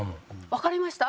わかりました？